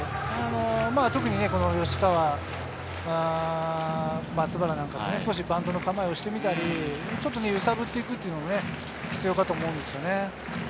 特に吉川、松原なんかは、少しバントの構えをしてみたり、揺さぶっていくというのも必要かと思います。